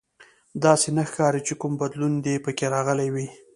داسې نه ښکاري چې کوم بدلون دې پکې راغلی وي